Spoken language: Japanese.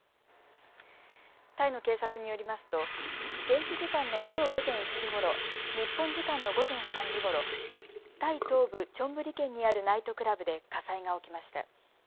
タイの警察によりますと現地時間のきょう午前１時ごろ、日本時間の午前３時ごろ、タイ東部チョンブリ県にあるナイトクラブで火災が起きました。